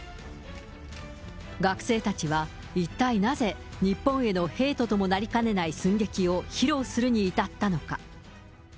学生たちは、一体なぜ、日本へのヘイトともなりかねない寸劇を披露するに至ったのか。